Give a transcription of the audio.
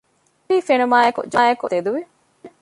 ޒުހުރީ ފެނުމާއެކު ޖުމާން ތެދުވި